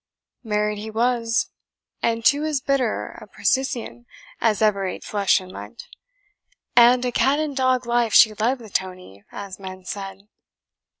"Married he was, and to as bitter a precisian as ever ate flesh in Lent; and a cat and dog life she led with Tony, as men said.